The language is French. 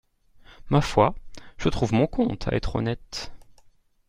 Ma foi, je trouve mon compte à être honnête.